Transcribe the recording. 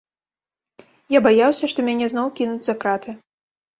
Я баяўся, што мяне зноў кінуць за краты.